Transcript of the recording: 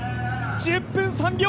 １０分３秒。